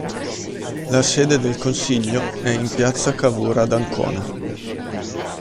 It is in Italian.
La sede del consiglio è in piazza Cavour ad Ancona.